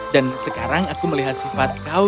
dan sekarang aku melihat sifat kau